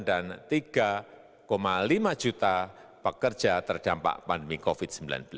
dan tiga lima juta pekerja terdampak pandemi covid sembilan belas